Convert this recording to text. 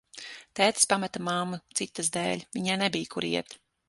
Tētis pameta mammu citas dēļ, viņai nebija, kur iet.